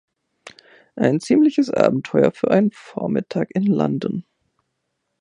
Ein ziemliches Abenteuer für einen Vormittag in London!